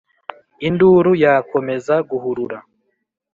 Induru yakomeza guhurura